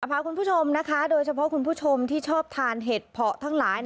พาคุณผู้ชมนะคะโดยเฉพาะคุณผู้ชมที่ชอบทานเห็ดเพาะทั้งหลาย